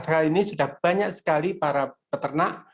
kali ini sudah banyak sekali para peternak